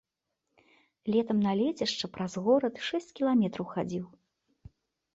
Летам на лецішча праз горад шэсць кіламетраў хадзіў.